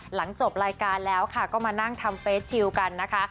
หลังจบรายการแล้วค่ะก็มานั่งทำเฟสชิลกันนะคะ